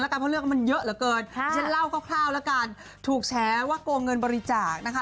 เพราะเรื่องมันเยอะเหลือเกินฉันเล่าคร่าวแล้วกันถูกแฉว่าโกงเงินบริจาคนะคะ